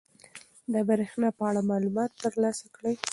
د بریښنا په اړه معلومات ترلاسه کړئ.